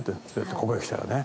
ここへ来たらね。